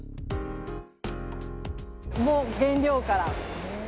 もう原料から。